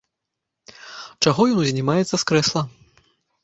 Чаго ён узнімаецца з крэсла?